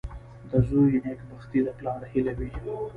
• د زوی نېکبختي د پلار هیله وي.